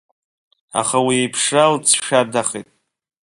Аха уи иԥшра лҵшәадахеит.